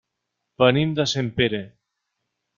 Venim de Sempere.